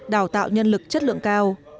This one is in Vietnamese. đào tạo nhân lực chất lượng cao